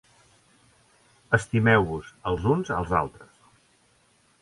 Estimeu-vos els uns als altres.